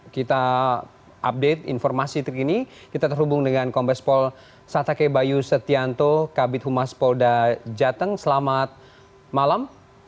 kita update informasi terkini kita terhubung dengan kombes pol satake bayu setianto kabit humas polda jateng selamat malam